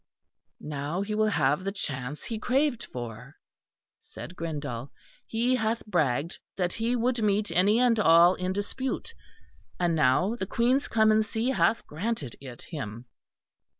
"Now he will have the chance he craved for," said Grindal. "He hath bragged that he would meet any and all in dispute, and now the Queen's clemency hath granted it him."